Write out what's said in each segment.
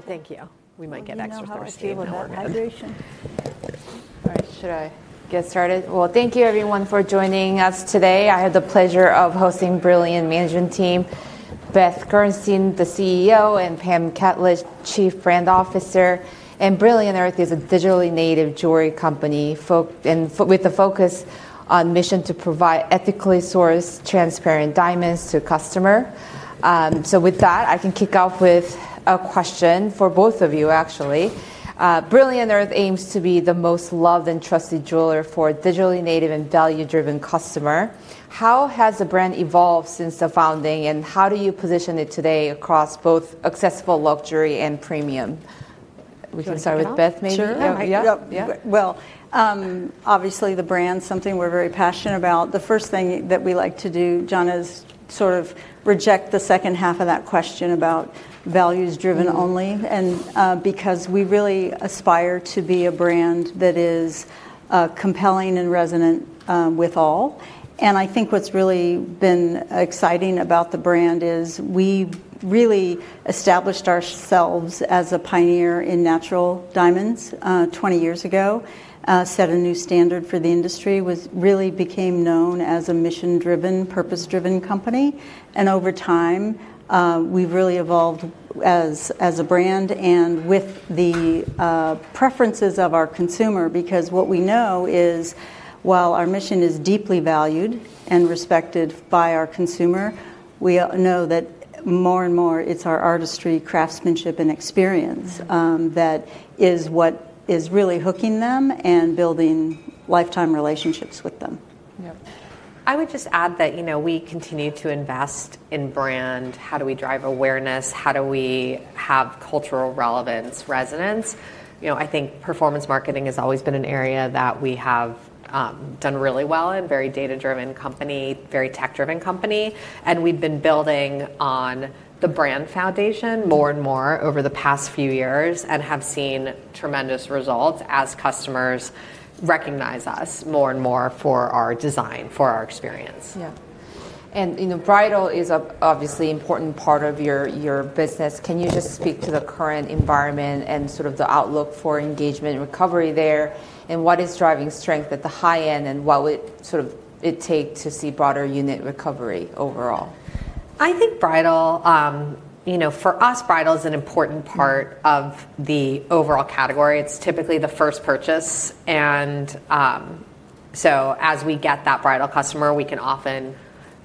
Thank you. We might get extra thirsty. Well, you know how it is with water hydration. All right. Should I get started? Well, thank you everyone for joining us today. I have the pleasure of hosting Brilliant Earth management team, Beth Gerstein, the CEO, and Pamela Catlett, Chief Brand Officer. Brilliant Earth is a digitally native jewelry company with a focus on mission to provide ethically sourced, transparent diamonds to customer. With that, I can kick off with a question for both of you, actually. Brilliant Earth aims to be the most loved and trusted jeweler for digitally native and value-driven customer. How has the brand evolved since the founding, and how do you position it today across both accessible luxury and premium? We can start with Beth, maybe. Sure. Yeah. Yeah. Well, obviously, the brand's something we're very passionate about. The first thing that we like to do, Jana, is sort of reject the H2 of that question about values driven only. Because we really aspire to be a brand that is compelling and resonant with all. I think what's really been exciting about the brand is we really established ourselves as a pioneer in natural diamonds 20 years ago, set a new standard for the industry, really became known as a mission-driven, purpose-driven company, and over time, we've really evolved as a brand and with the preferences of our consumer. What we know is while our mission is deeply valued and respected by our consumer, we know that more and more, it's our artistry, craftsmanship, and experience. That is what is really hooking them and building lifetime relationships with them. Yep. I would just add that we continue to invest in brand. How do we drive awareness? How do we have cultural relevance, resonance? I think performance marketing has always been an area that we have done really well in, very data-driven company, very tech-driven company, and we've been building on the brand foundation more and more over the past few years and have seen tremendous results as customers recognize us more and more for our design, for our experience. Yeah. Bridal is obviously important part of your business. Can you just speak to the current environment and sort of the outlook for engagement and recovery there, and what is driving strength at the high end, and what would it take to see broader unit recovery overall? I think bridal, for us, bridal is an important part of the overall category. It's typically the first purchase, and so as we get that bridal customer, we can often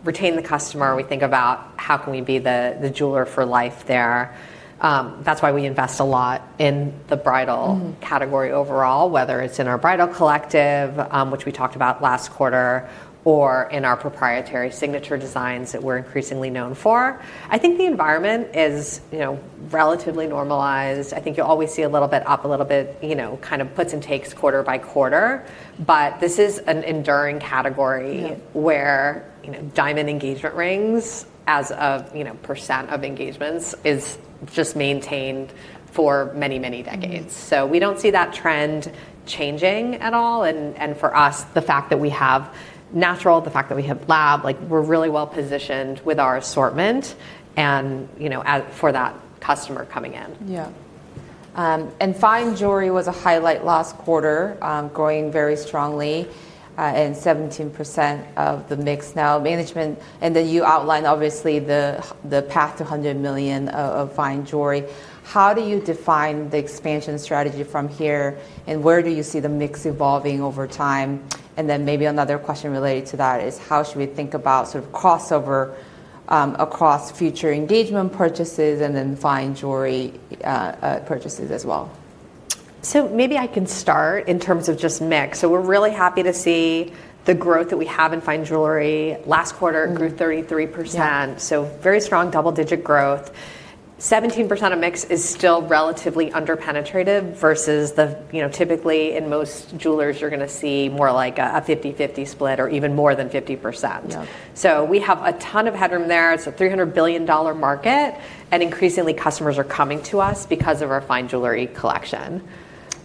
retain the customer. We think about how can we be the jeweler for life there. That's why we invest a lot in the bridal- Category overall, whether it's in our Bridal Collective, which we talked about last quarter, or in our proprietary signature designs that we're increasingly known for. I think the environment is relatively normalized. I think you'll always see a little bit up, a little bit kind of puts and takes quarter by quarter, but this is an enduring category- Yeah Where diamond engagement rings as a percent of engagements is just maintained for many, many decades. We don't see that trend changing at all, and for us, the fact that we have natural, the fact that we have lab, we're really well-positioned with our assortment, and for that customer coming in. Yeah. Fine jewelry was a highlight last quarter, growing very strongly, 17% of the mix now. Management, you outlined, obviously, the path to $100 million of fine jewelry. How do you define the expansion strategy from here? Where do you see the mix evolving over time? Maybe another question related to that is how should we think about sort of crossover across future engagement purchases and then fine jewelry purchases as well? Maybe I can start in terms of just mix. We're really happy to see the growth that we have in fine jewelry. Last quarter grew 33%. Yeah. Very strong double-digit growth. 17% of mix is still relatively under-penetrative versus the, typically, in most jewelers, you're going to see more like a 50/50 split or even more than 50%. Yeah. We have a ton of headroom there. It's a $300 billion market, and increasingly, customers are coming to us because of our fine jewelry collection.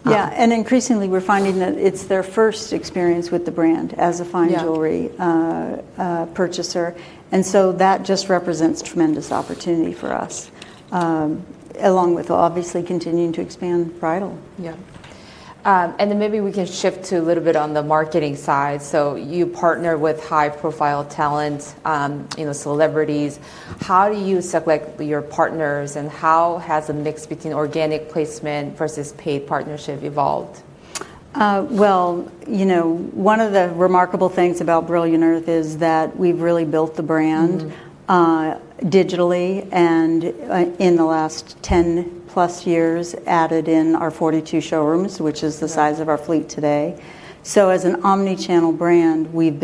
Yeah, increasingly, we're finding that it's their first experience with the brand as a fine jewelry. Yeah Purchaser, and so that just represents tremendous opportunity for us, along with, obviously, continuing to expand bridal. Yeah. Maybe we can shift to a little bit on the marketing side. You partner with high-profile talent, celebrities. How do you select your partners, and how has the mix between organic placement versus paid partnership evolved? Well, one of the remarkable things about Brilliant Earth is that we've really built the brand digitally in the last 10+ years, added in our 42 showrooms, which is the size of our fleet today. As an omnichannel brand, we've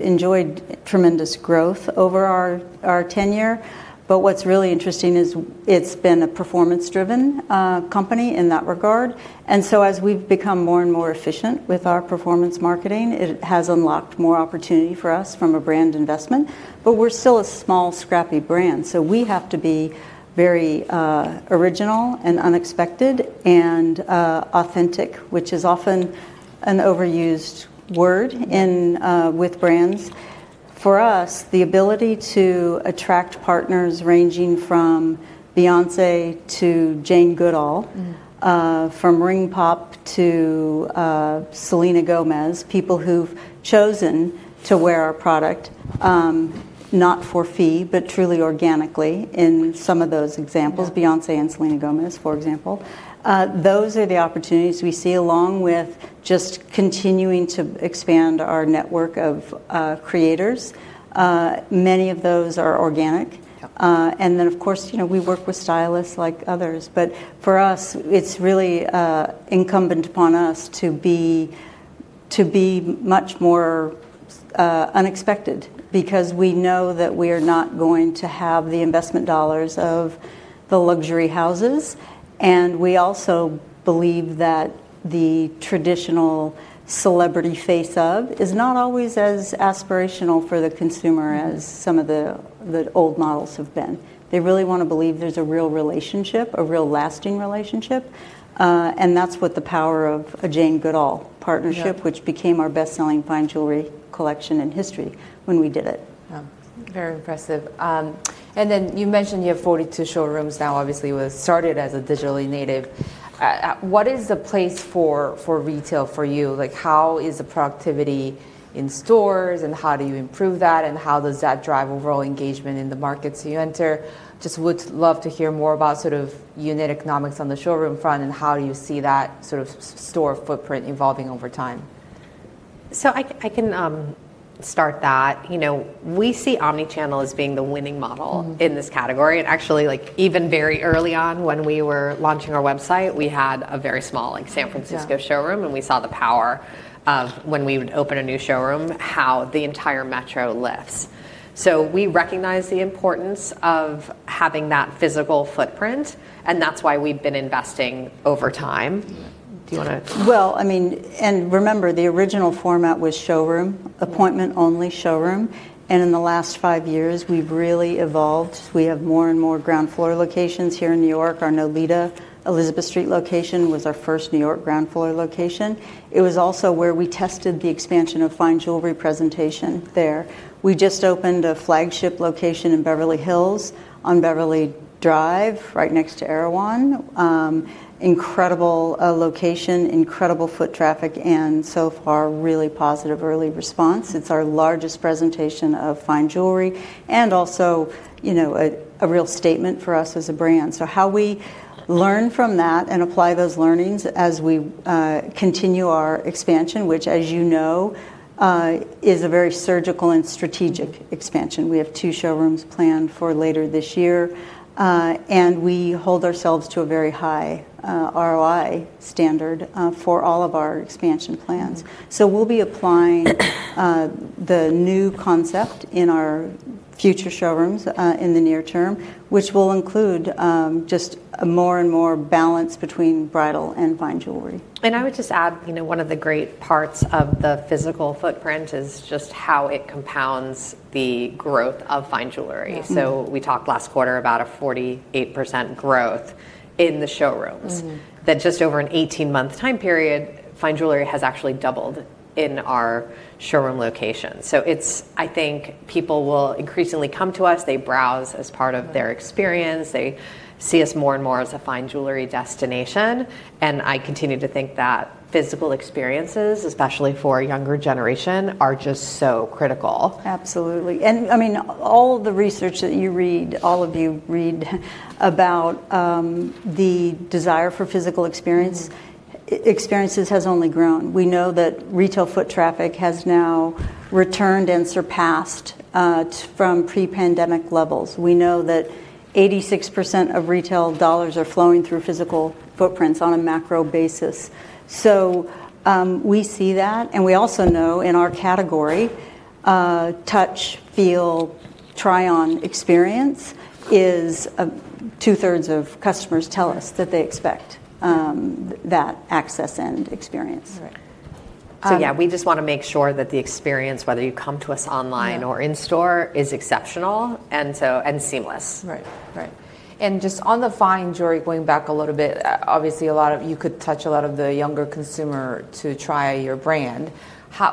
enjoyed tremendous growth over our tenure, but what's really interesting is it's been a performance-driven company in that regard. As we've become more and more efficient with our performance marketing, it has unlocked more opportunity for us from a brand investment. We're still a small, scrappy brand, so we have to be very original and unexpected and authentic, which is often an overused word with brands. For us, the ability to attract partners ranging from Beyoncé to Jane Goodall, from Ring Pop to Selena Gomez, people who've chosen to wear our product, not for fee, but truly organically in some of those examples. Yeah. Beyoncé and Selena Gomez, for example. Those are the opportunities we see, along with just continuing to expand our network of creators. Many of those are organic. Yeah. Of course, we work with stylists like others, but for us, it's really incumbent upon us to be much more unexpected, because we know that we are not going to have the investment dollars of the luxury houses, and we also believe that the traditional celebrity face of is not always as aspirational for the consumer as some of the old models have been. They really want to believe there's a real relationship, a real lasting relationship. That's what the power of a Jane Goodall partnership. Yeah Which became our best-selling fine jewelry collection in history when we did it. Yeah. Very impressive. Then you mentioned you have 42 showrooms now. Obviously, it was started as a digitally native. What is the place for retail for you? How is the productivity in stores, and how do you improve that, and how does that drive overall engagement in the markets you enter? Would love to hear more about unit economics on the showroom front and how you see that sort of store footprint evolving over time. I can start that. We see omnichannel as being the winning model. In this category. Actually, even very early on when we were launching our website, we had a very small San Francisco showroom. Yeah. We saw the power of when we would open a new showroom, how the entire metro lifts. We recognize the importance of having that physical footprint, and that's why we've been investing over time. Yeah. Do you want to? Well, remember, the original format was showroom-. Appointment-only showroom. In the last five years, we've really evolved. We have more and more ground floor locations here in New York. Our Nolita Elizabeth Street location was our first New York ground floor location. It was also where we tested the expansion of fine jewelry presentation there. We just opened a flagship location in Beverly Hills on Beverly Drive right next to Erewhon. Incredible location, incredible foot traffic. So far, really positive early response. It's our largest presentation of fine jewelry, and also, a real statement for us as a brand. How we learn from that and apply those learnings as we continue our expansion, which as you know, is a very surgical and strategic expansion. We have two showrooms planned for later this year. We hold ourselves to a very high ROI standard for all of our expansion plans. We'll be applying the new concept in our future showrooms in the near term, which will include just more and more balance between bridal and fine jewelry. I would just add, one of the great parts of the physical footprint is just how it compounds the growth of fine jewelry. We talked last quarter about a 48% growth in the showrooms. That just over an 18-month time period, fine jewelry has actually doubled in our showroom location. I think people will increasingly come to us. They browse as part of their experience. They see us more and more as a fine jewelry destination. I continue to think that physical experiences, especially for a younger generation, are just so critical. Absolutely. All the research that you read, all of you read, about the desire for physical experiences has only grown. We know that retail foot traffic has now returned and surpassed from pre-pandemic levels. We know that 86% of retail dollars are flowing through physical footprints on a macro basis. We see that, and we also know in our category, touch, feel, try on experience is 2/3 of customers tell us that they expect that access and experience. Right. Yeah, we just want to make sure that the experience, whether you come to us online. Yeah Or in store, is exceptional and seamless. Right. Just on the fine jewelry, going back a little bit, obviously you could touch a lot of the younger consumer to try your brand.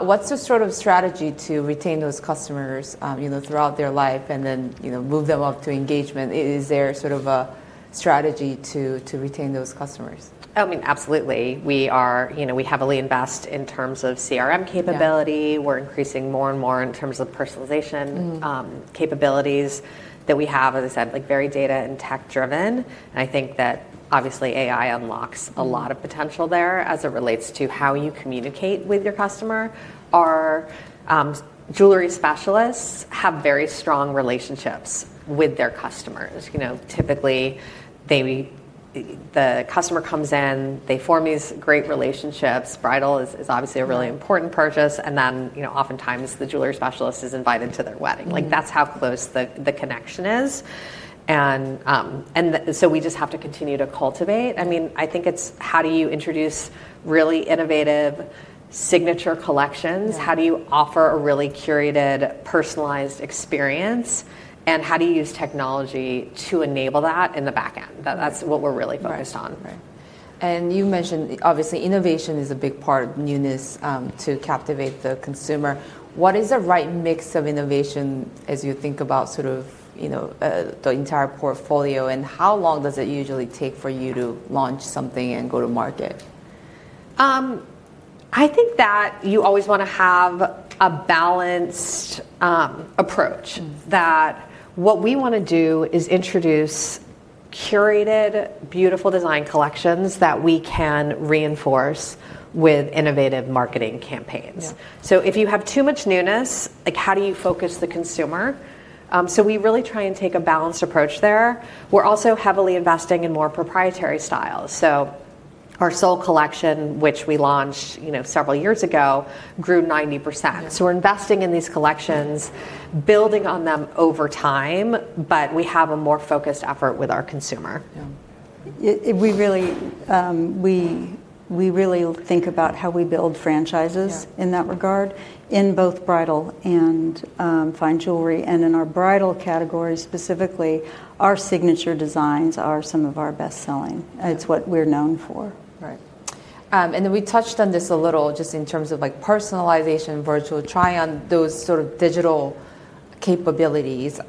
What's the sort of strategy to retain those customers throughout their life and then move them up to engagement? Is there sort of a strategy to retain those customers? Absolutely. We heavily invest in terms of CRM capability. Yeah. We're increasing more and more in terms of personalization capabilities that we have. As I said, very data and tech driven, and I think that obviously AI unlocks a lot of potential there as it relates to how you communicate with your customer. Our jewelry specialists have very strong relationships with their customers. Typically, the customer comes in, they form these great relationships. Bridal is obviously a really important purchase. Oftentimes the jewelry specialist is invited to their wedding. That's how close the connection is. We just have to continue to cultivate. I think it's how do you introduce really innovative signature collections? Yeah. How do you offer a really curated, personalized experience, and how do you use technology to enable that in the back end? That's what we're really focused on. Right. You mentioned obviously innovation is a big part, newness to captivate the consumer. What is the right mix of innovation as you think about the entire portfolio, and how long does it usually take for you to launch something and go to market? I think that you always want to have a balanced approach. What we want to do is introduce curated, beautiful design collections that we can reinforce with innovative marketing campaigns. Yeah. If you have too much newness, how do you focus the consumer? We really try and take a balanced approach there. We're also heavily investing in more proprietary styles. Our Sol collection, which we launched several years ago, grew 90%. Yeah. We're investing in these collections, building on them over time, but we have a more focused effort with our consumer. Yeah. We really think about how we build franchises. Yeah In that regard, in both bridal and fine jewelry. In our bridal category specifically, our signature designs are some of our best selling. It's what we're known for. Right. Then we touched on this a little just in terms of personalization, virtual try-on, those sort of digital capabilities.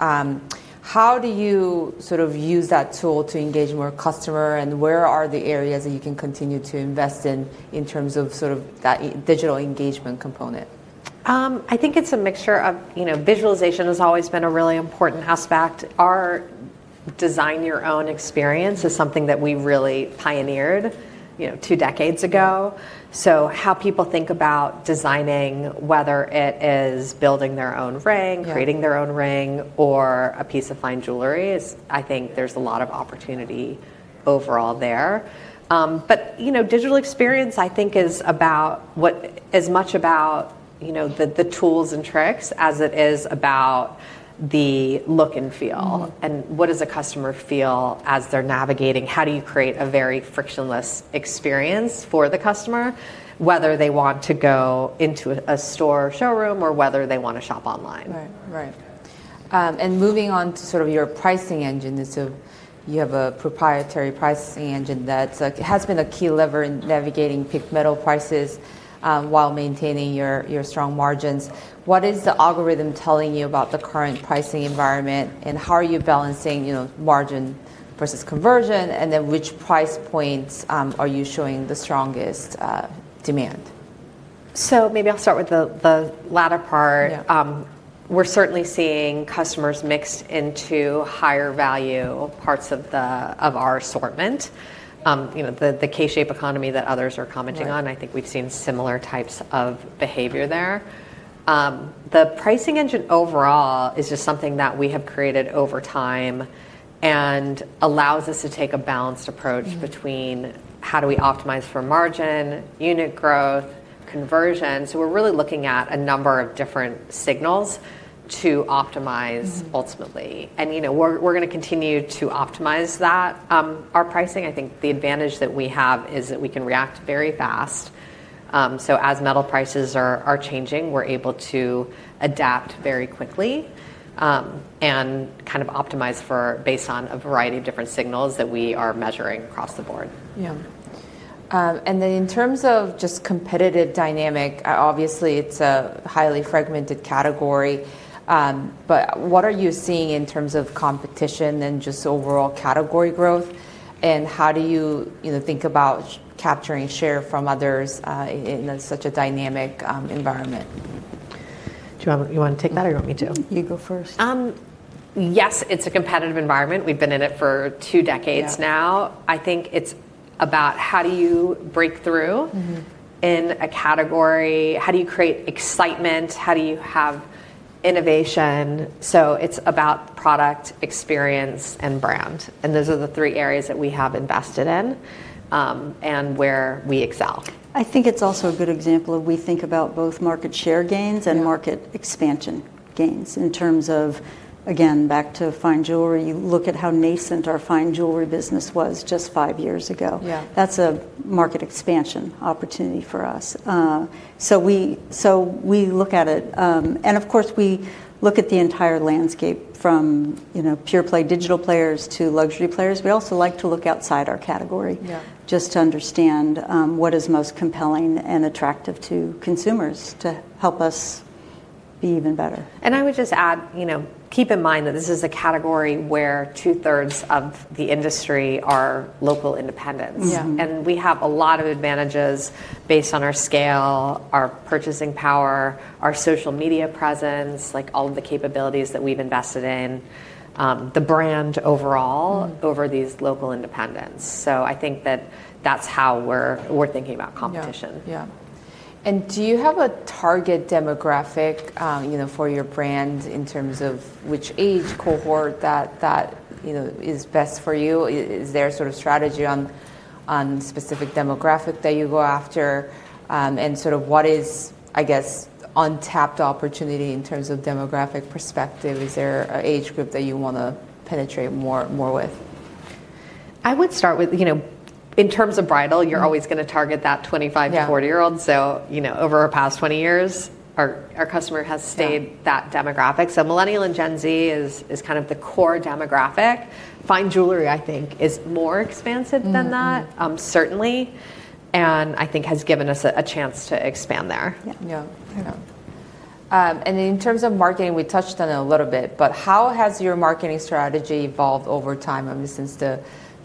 How do you use that tool to engage more customer, where are the areas that you can continue to invest in in terms of that digital engagement component? I think it's a mixture of, visualization has always been a really important aspect. Our Design Your Own experience is something that we really pioneered two decades ago. Yeah. How people think about designing, whether it is building their own ring- Yeah Creating their own ring, or a piece of fine jewelry, I think there's a lot of opportunity overall there. Digital experience, I think, is as much about the tools and tricks as it is about the look and feel. What does a customer feel as they're navigating? How do you create a very frictionless experience for the customer, whether they want to go into a store showroom or whether they want to shop online? Right. Moving on to your pricing engine. You have a proprietary pricing engine that has been a key lever in navigating peak metal prices, while maintaining your strong margins. What is the algorithm telling you about the current pricing environment, and how are you balancing margin versus conversion? Which price points are you showing the strongest demand? Maybe I'll start with the latter part. Yeah. We're certainly seeing customers mix into higher value parts of our assortment. The K-shaped economy that others are commenting on. Yeah I think we've seen similar types of behavior there. The pricing engine overall is just something that we have created over time and allows us to take a balanced approach. Between how do we optimize for margin, unit growth, conversion. We're really looking at a number of different signals to optimize ultimately. We're going to continue to optimize that. Our pricing, I think the advantage that we have is that we can react very fast. As metal prices are changing, we're able to adapt very quickly and kind of optimize based on a variety of different signals that we are measuring across the board. Yeah. Then in terms of just competitive dynamic, obviously it's a highly fragmented category, but what are you seeing in terms of competition and just overall category growth? How do you think about capturing share from others, in such a dynamic environment? Do you want to take that or you want me to? You go first. Yes, it's a competitive environment. We've been in it for two decades now. Yeah. I think it's about how do you break through in a category? How do you create excitement? How do you have innovation? It's about product, experience, and brand, and those are the three areas that we have invested in, and where we excel. I think it's also a good example of we think about both market share gains and- Yeah Market expansion gains in terms of, again, back to fine jewelry, you look at how nascent our fine jewelry business was just five years ago. Yeah. That's a market expansion opportunity for us. We look at it, and of course, we look at the entire landscape from pure play digital players to luxury players. We also like to look outside our category- Yeah Just to understand what is most compelling and attractive to consumers to help us be even better. I would just add, keep in mind that this is a category where 2/3 of the industry are local independents. Yeah. We have a lot of advantages based on our scale, our purchasing power, our social media presence, all of the capabilities that we've invested in, the brand overall, over these local independents. I think that that's how we're thinking about competition. Yeah. Do you have a target demographic for your brand in terms of which age cohort that is best for you? Is there a sort of strategy on specific demographic that you go after? Sort of what is, I guess, untapped opportunity in terms of demographic perspective? Is there an age group that you want to penetrate more with? I would start with, in terms of bridal, you're always going to target that 25-40 year old. Yeah. Over our past 20 years, our customer has- Yeah Stayed that demographic. Millennial and Gen Z is the core demographic. Fine jewelry, I think, is more expansive than that. Certainly, and I think has given us a chance to expand there. Yeah. Yeah. In terms of marketing, we touched on it a little bit, but how has your marketing strategy evolved over time? I mean, since the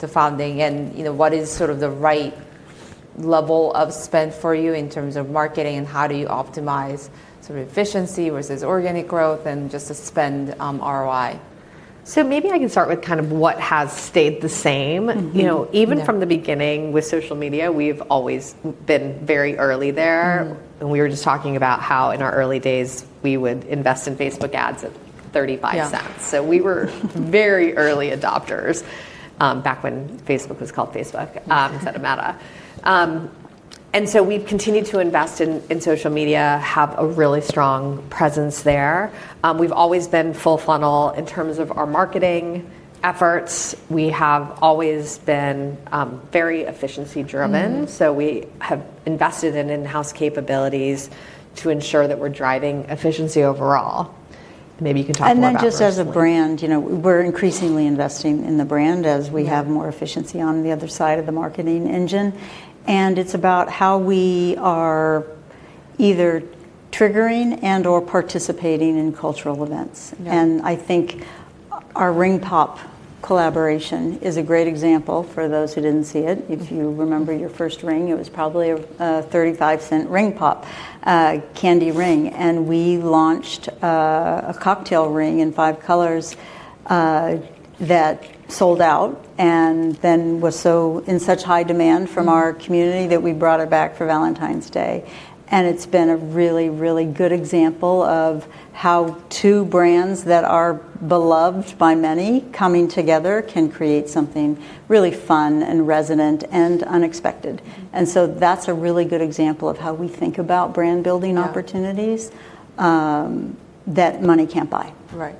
founding, and what is sort of the right level of spend for you in terms of marketing, and how do you optimize efficiency versus organic growth and just the spend ROI? Maybe I can start with what has stayed the same. Yeah. Even from the beginning with social media, we've always been very early there. We were just talking about how in our early days, we would invest in Facebook ads at $0.35. Yeah. We were very early adopters, back when Facebook was called Facebook instead of Meta. We've continued to invest in social media, have a really strong presence there. We've always been full funnel in terms of our marketing efforts. We have always been very efficiency driven. We have invested in in-house capabilities to ensure that we're driving efficiency overall. Maybe you can talk more about Roosevelt. Just as a brand, we're increasingly investing in the brand- Yeah As we have more efficiency on the other side of the marketing engine, and it's about how we are either triggering and/or participating in cultural events. Yeah. I think our Ring Pop collaboration is a great example for those who didn't see it. If you remember your first ring, it was probably a $0.35 Ring Pop candy ring. We launched a cocktail ring in five colors, that sold out. Then was in such high demand from our community that we brought it back for Valentine's Day. It's been a really, really good example of how two brands that are beloved by many coming together can create something really fun and resonant and unexpected. That's a really good example of how we think about brand-building opportunities. Yeah That money can't buy. Right.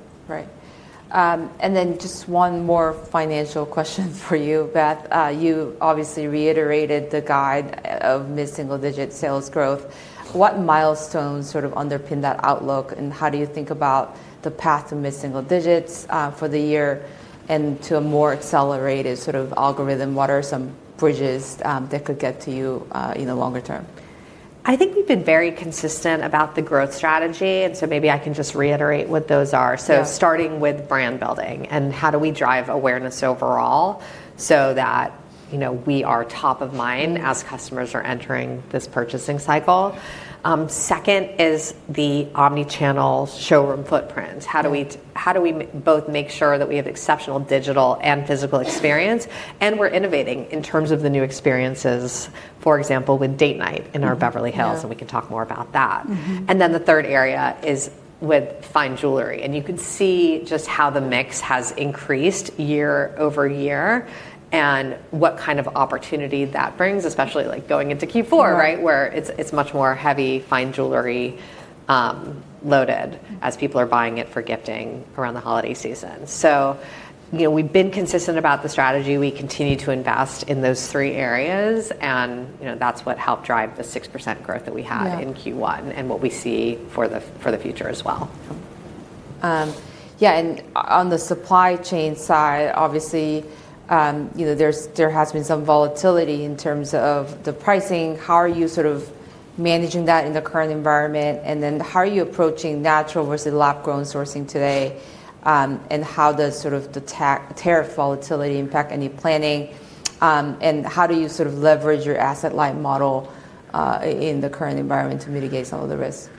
Then just one more financial question for you, Beth. You obviously reiterated the guide of mid-single digit sales growth. What milestones sort of underpin that outlook, and how do you think about the path to mid-single digits for the year and to a more accelerated sort of algorithm? What are some bridges that could get to you in the longer term? I think we've been very consistent about the growth strategy. Maybe I can just reiterate what those are. Yeah. Starting with brand building, and how do we drive awareness overall, so that we are top of mind as customers are entering this purchasing cycle. Second is the omnichannel showroom footprint. Yeah. How do we both make sure that we have exceptional digital and physical experience, and we're innovating in terms of the new experiences. For example, with Date Night in our Beverly Hills. Yeah We can talk more about that. The third area is with fine jewelry, and you can see just how the mix has increased year-over-year, and what kind of opportunity that brings, especially going into Q4. Yeah Where it's much more heavy fine jewelry loaded as people are buying it for gifting around the holiday season. We've been consistent about the strategy. We continue to invest in those three areas that's what helped drive the 6% growth that we had- Yeah In Q1 and what we see for the future as well. Yeah, and on the supply chain side, obviously, there has been some volatility in terms of the pricing. How are you sort of managing that in the current environment? Then how are you approaching natural versus lab-grown sourcing today? How does the tariff volatility impact any planning? How do you sort of leverage your asset light model, in the current environment to mitigate some of the risks?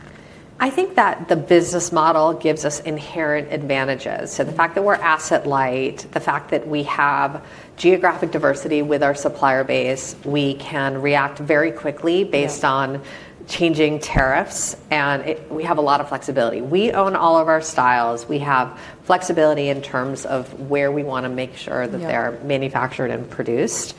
I think that the business model gives us inherent advantages. The fact that we're asset light, the fact that we have geographic diversity with our supplier base, we can react very quickly- Yeah Based on changing tariffs, and we have a lot of flexibility. We own all of our styles. We have flexibility in terms of where we want to make sure that they're- Yeah Manufactured and produced.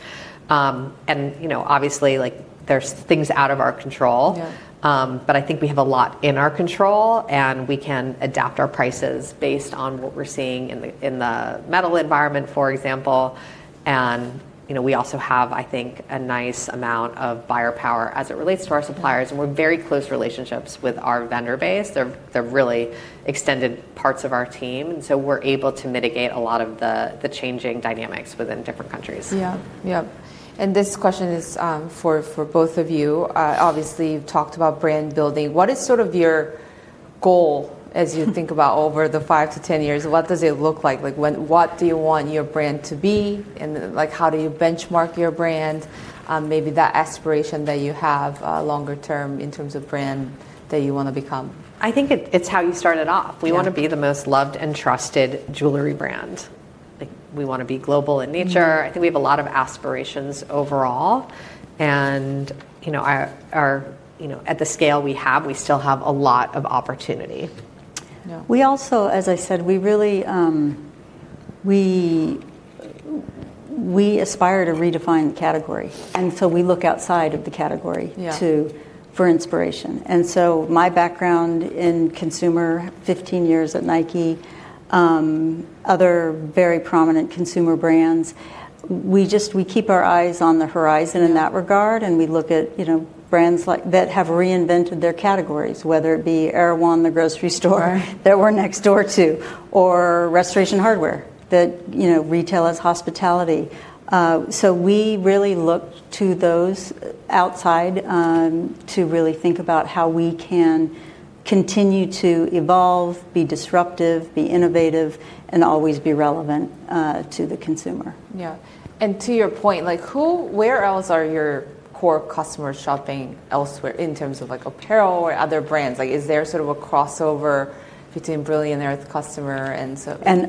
Obviously there's things out of our control. Yeah. I think we have a lot in our control, and we can adapt our prices based on what we're seeing in the metal environment, for example. We also have, I think, a nice amount of buyer power as it relates to our suppliers, and we're in very close relationships with our vendor base. They're really extended parts of our team, and so we're able to mitigate a lot of the changing dynamics within different countries. Yeah. This question is for both of you. Obviously, you've talked about brand building. What is sort of your goal as you think about over the 5-10 years? What does it look like? What do you want your brand to be, and how do you benchmark your brand? Maybe that aspiration that you have longer term in terms of brand that you want to become. I think it's how you started off. Yeah. We want to be the most loved and trusted jewelry brand. We want to be global in nature. I think we have a lot of aspirations overall and at the scale we have, we still have a lot of opportunity. Yeah. We also, as I said, we aspire to redefine the category, we look outside of the category- Yeah For inspiration. My background in consumer, 15 years at Nike, other very prominent consumer brands. We keep our eyes on the horizon in that regard, and we look at brands that have reinvented their categories, whether it be Erewhon, the grocery store that we're next door to, or Restoration Hardware, that retail as hospitality. We really look to those outside to really think about how we can continue to evolve, be disruptive, be innovative, and always be relevant to the consumer. Yeah. To your point, where else are your core customers shopping elsewhere in terms of apparel or other brands? Is there sort of a crossover between Brilliant Earth customer?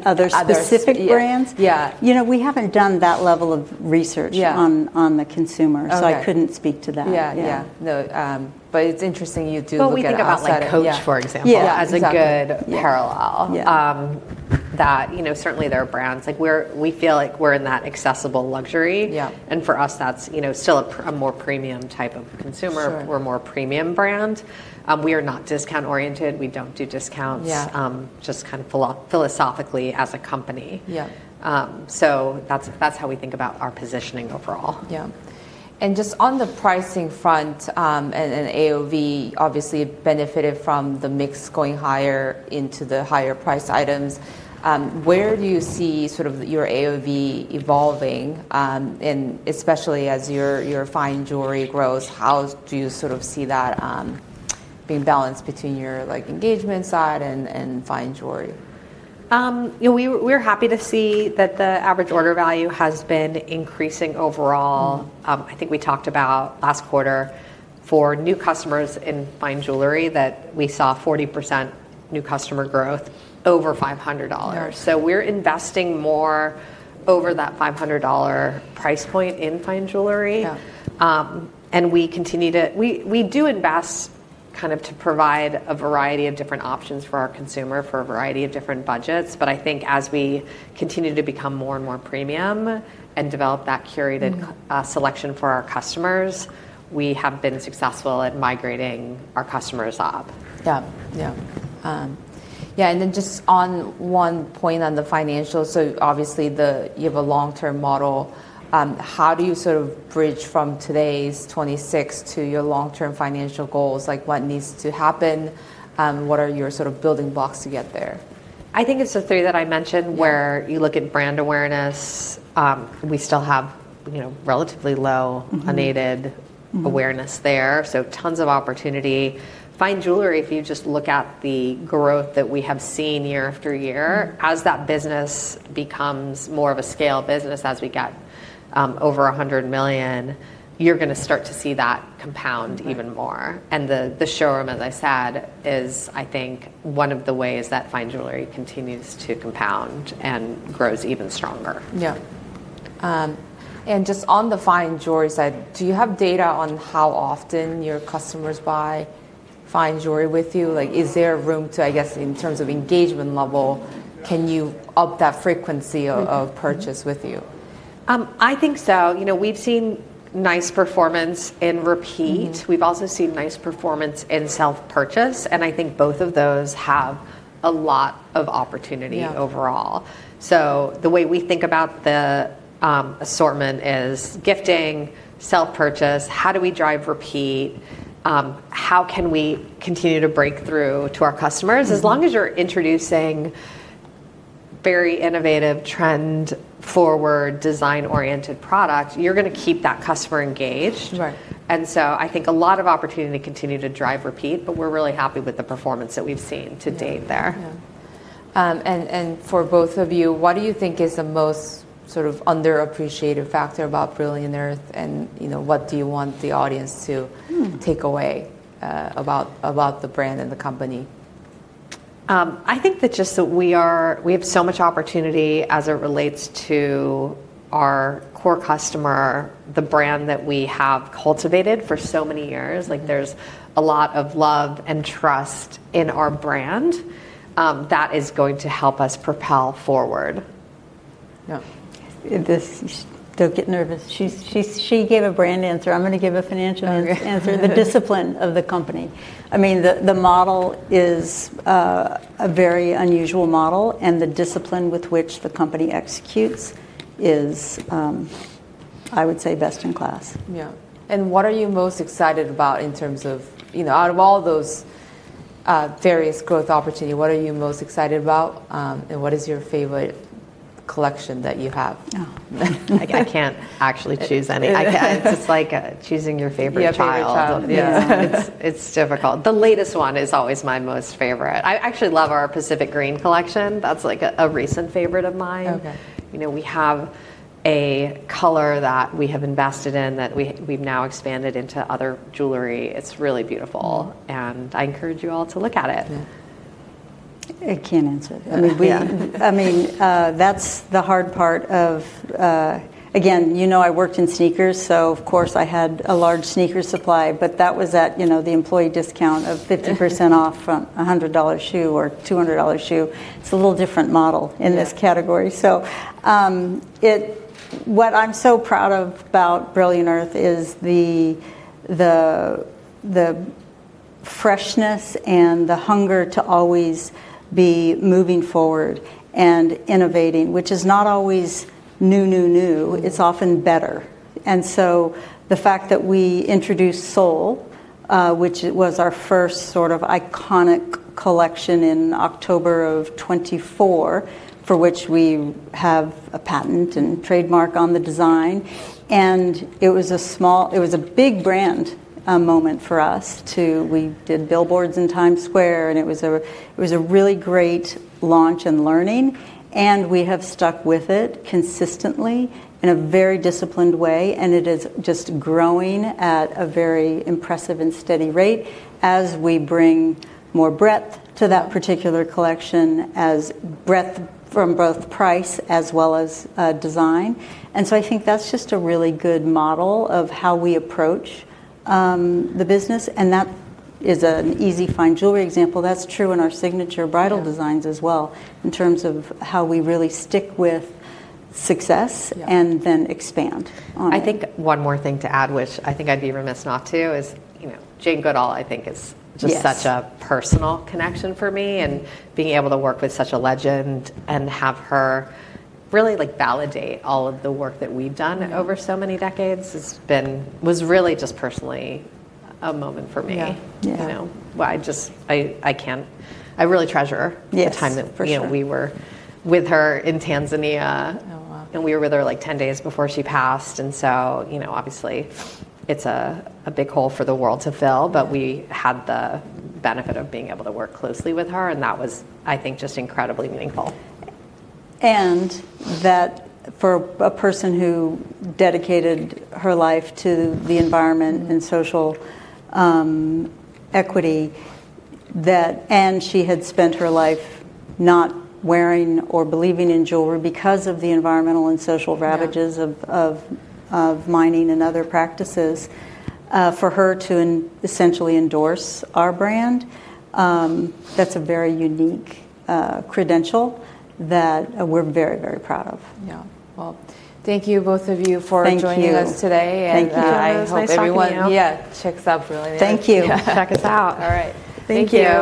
Other specific brands? Yeah. We haven't done that level of research. Yeah On the consumer. Okay. I couldn't speak to that. Yeah. Yeah. No, it's interesting you do look at outlets. We think about Coach, for example. Yeah. Exactly. As a good parallel. Yeah. That certainly they're brands. We feel like we're in that accessible luxury. Yeah. For us, that's still a more premium type of consumer. Sure. We're a more premium brand. We are not discount oriented. We don't do discounts. Yeah Just kind of philosophically as a company. Yeah. That's how we think about our positioning overall. Yeah. Just on the pricing front, and AOV obviously benefited from the mix going higher into the higher priced items, where do you see your AOV evolving? Especially as your fine jewelry grows, how do you see that being balanced between your engagement side and fine jewelry? We're happy to see that the average order value has been increasing overall. I think we talked about last quarter for new customers in fine jewelry that we saw 40% new customer growth over $500. Yeah. We're investing more over that $500 price point in fine jewelry. Yeah. We do invest to provide a variety of different options for our consumer for a variety of different budgets, but I think as we continue to become more and more premium and develop that selection for our customers, we have been successful at migrating our customers up. Yeah. Just on one point on the financials, so obviously, you have a long-term model. How do you sort of bridge from today's 2026 to your long-term financial goals? Like, what needs to happen? What are your building blocks to get there? I think it's the three that I mentioned. Yeah Where you look at brand awareness. We still have relatively low unaided awareness there. So tons of opportunity. Fine jewelry, if you just look at the growth that we have seen year-after-year. As that business becomes more of a scale business as we get over $100 million, you're going to start to see that compound even more. The showroom, as I said, is I think one of the ways that fine jewelry continues to compound and grows even stronger. Yeah. Just on the fine jewelry side, do you have data on how often your customers buy fine jewelry with you? Is there room to, I guess, in terms of engagement level, can you up that frequency of purchase with you? I think so. We've seen nice performance in repeat. We've also seen nice performance in self-purchase. I think both of those have a lot of opportunity overall. Yeah. The way we think about the assortment is gifting, self-purchase, how do we drive repeat? How can we continue to break through to our customers? As long as you're introducing very innovative, trend forward, design oriented product, you're going to keep that customer engaged. Right. I think a lot of opportunity to continue to drive repeat, but we're really happy with the performance that we've seen to date there. Yeah. For both of you, what do you think is the most underappreciated factor about Brilliant Earth, and what do you want the audience to take away about the brand and the company? I think that just that we have so much opportunity as it relates to our core customer, the brand that we have cultivated for so many years. There's a lot of love and trust in our brand that is going to help us propel forward. Yeah. Don't get nervous. She gave a brand answer. I'm going to give a financial answer. Okay. The discipline of the company. The model is a very unusual model, and the discipline with which the company executes is, I would say, best in class. Yeah. What are you most excited about in terms of, out of all those various growth opportunity, what are you most excited about, and what is your favorite collection that you have? Oh, I can't. I can't actually choose any. It's like choosing your favorite child. Your favorite child. Yeah. It's difficult. The latest one is always my most favorite. I actually love our Pacific Green collection. That's a recent favorite of mine. Okay. We have a color that we have invested in that we've now expanded into other jewelry. It's really beautiful, and I encourage you all to look at it. Yeah. I can't answer that. Yeah. That's the hard part of, again, I worked in sneakers, so of course, I had a large sneaker supply, but that was at the employee discount of 50% off a $100 shoe or $200 shoe. It's a little different model in this category. Yeah. What I'm so proud of about Brilliant Earth is the freshness and the hunger to always be moving forward and innovating, which is not always new, new. It's often better. The fact that we introduced Sol, which was our first sort of iconic collection in October of 2024, for which we have a patent and trademark on the design, and it was a big brand moment for us. We did billboards in Times Square, and it was a really great launch and learning. We have stuck with it consistently in a very disciplined way, and it is just growing at a very impressive and steady rate as we bring more breadth to that particular collection, as breadth from both price as well as design. I think that's just a really good model of how we approach the business, and that is an easy fine jewelry example. That's true in our signature bridal designs as well, in terms of how we really stick with success. Yeah Then expand on it. I think one more thing to add, which I think I'd be remiss not to, is Jane Goodall, I think- Yes Is such a personal connection for me, and being able to work with such a legend and have her really validate all of the work that we've done- Yeah Over so many decades was really just personally a moment for me. Yeah. Yeah. I really treasure- Yes The time that- For sure. We were with her in Tanzania. Oh, wow. We were with her 10 days before she passed, and so obviously it's a big hole for the world to fill, but we had the benefit of being able to work closely with her, and that was, I think, just incredibly meaningful. That for a person who dedicated her life to the environment and social equity, and she had spent her life not wearing or believing in jewelry because of the environmental and social ravages- Yeah Of mining and other practices, for her to essentially endorse our brand, that's a very unique credential that we're very, very proud of. Yeah. Well, thank you, both of you, for joining us today. Thank you. Thank you. I hope everyone. It was nice talking to you. Yeah, checks out Brilliant Earth. Thank you. Yeah. Check us out. All right. Thank you.